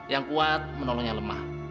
yang kuat menolong yang lemah